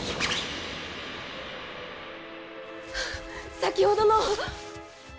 先ほどの！